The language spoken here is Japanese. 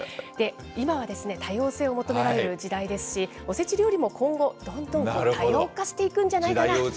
今は多様性を求められる時代ですし、おせち料理も今後、どんどん多様化していくんじゃないのかなと。